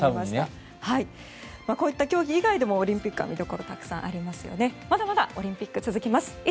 こういった競技以外でもオリンピックは魅力がありますのでまだまだオリンピック続きます。